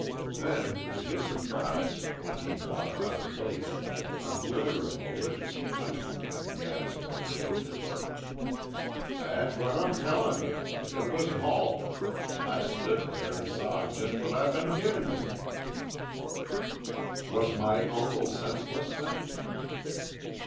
Then, to his surprise when he thought about it later, a glitter of malicious cunning lit the eyes of the rancher. "That's what I'm tellin' you. It was Hull. I stood there an' saw just what I've been givin' you." "Was my uncle senseless then?"